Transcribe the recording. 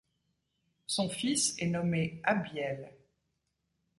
Son fils est nommé Abiel.